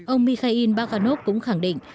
ông mikhail bakhanov cũng khẳng định